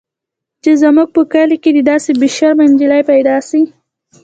چې زموږ په کلي کښې دې داسې بې شرمه نجلۍ پيدا سي.